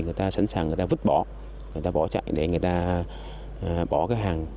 người ta sẵn sàng người ta vứt bỏ người ta bỏ chạy để người ta bỏ cái hàng